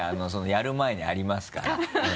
やる前にありますから。